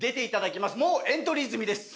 もうエントリー済みです。